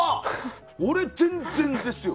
俺、全然ですよ。